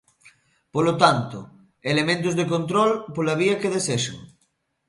Polo tanto, elementos de control pola vía que desexen.